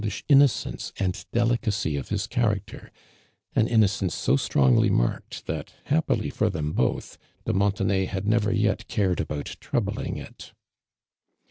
h in nocence and delicacy of his character, an innocence so strongly marked that, luippil for them both, de Montenay had never yet, cared about troubling it.